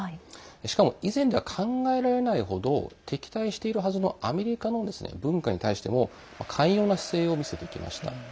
しかも以前では考えられない程敵対しているはずのアメリカの文化に対しても慣用な姿勢を見せてきました。